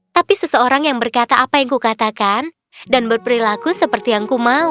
tapi seseorang yang berkata apa yang kukatakan dan berperilaku seperti yang ku mau